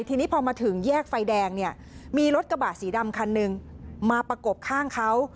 ทีนี้พอมาถึงแยกไฟแดงเนี่ยมีรถกระบะสีดำคันหนึ่งมาประกบข้างเขา